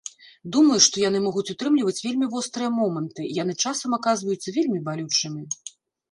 Думаю, што яны могуць утрымліваць вельмі вострыя моманты, яны часам аказваюцца вельмі балючымі.